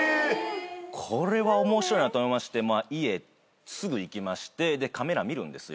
これは面白いなと思いまして家すぐ行きましてカメラ見るんですよ。